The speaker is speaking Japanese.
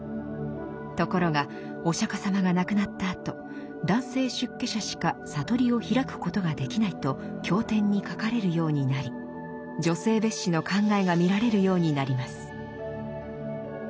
ところがお釈迦様が亡くなったあと男性出家者しか覚りを開くことができないと経典に書かれるようになり女性蔑視の考えが見られるようになります。